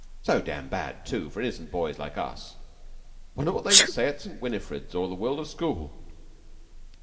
"So dam' bad, too, for innocent boys like us! Wonder what they'd say at 'St. Winifred's, or the World of School.